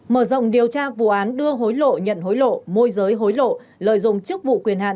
mở rộng điều tra vụ án đưa hối lộ nhận hối lộ môi giới hối lộ lợi dụng chức vụ quyền hạn